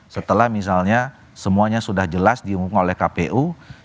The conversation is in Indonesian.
setelah misalnya semuanya sudah jelas diumumkan oleh kpu